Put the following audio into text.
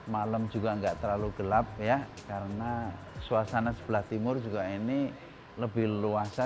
malam juga nggak terlalu gelap ya karena suasana sebelah timur juga ini lebih luas